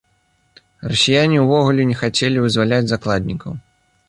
Расіяне ўвогуле не хацелі вызваляць закладнікаў.